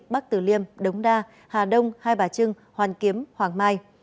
bắc tử liêm đống đa hà đông hai bà trưng hoàn kiếm hoàng mai